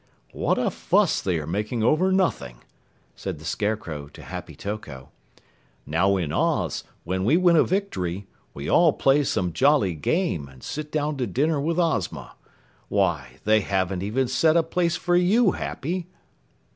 "What a fuss they are making over nothing," said the Scarecrow to Happy Toko. "Now in Oz when we win a victory, we all play some jolly game and sit down to dinner with Ozma. Why, they haven't even set a place for you, Happy!"